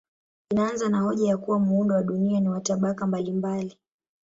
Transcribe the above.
Inaanza na hoja ya kuwa muundo wa dunia ni wa tabaka mbalimbali.